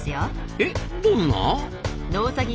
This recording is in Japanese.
えどんな？